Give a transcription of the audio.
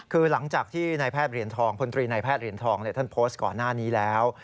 คือหลังจากที่นายแพทย์เหรียญทองพลตรีในแพทย์เหรียญทองท่านโพสต์ก่อนหน้านี้แล้ว